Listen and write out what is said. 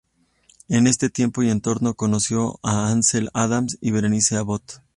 En ese tiempo y entorno conoció a Ansel Adams y Berenice Abbott.